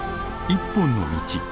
「一本の道」。